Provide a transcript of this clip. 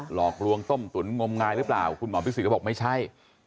หลอกลวงต้มตุ๋นงมงายหรือเปล่าคุณหมอพิสิทธก็บอกไม่ใช่